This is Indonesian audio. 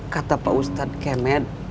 kata pak ustadz kemet